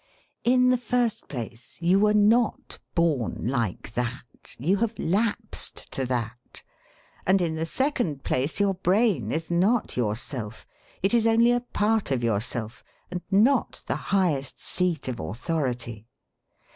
In the first place you were not born 'like that,' you have lapsed to that. And in the second place your brain is not yourself. It is only a part of yourself, and not the highest seat of authority.